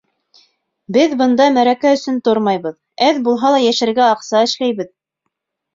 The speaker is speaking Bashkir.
Беҙ бында мәрәкә өсөн тормайбыҙ, әҙ булһа ла йәшәргә аҡса эшләйбеҙ.